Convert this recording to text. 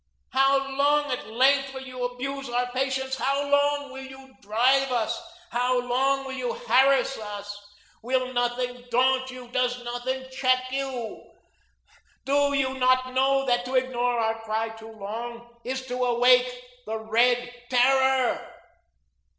How long at length will you abuse our patience? How long will you drive us? How long will you harass us? Will nothing daunt you? Does nothing check you? Do you not know that to ignore our cry too long is to wake the Red Terror?